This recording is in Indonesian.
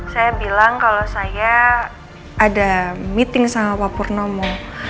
saya bilang kalau saya ada meeting sama pak purnomo